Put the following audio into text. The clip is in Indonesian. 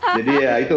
jadi ya itu